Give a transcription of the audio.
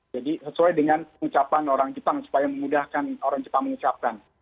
sesuai dengan ucapan orang jepang supaya memudahkan orang jepang mengucapkan